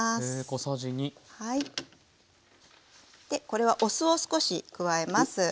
でこれはお酢を少し加えます。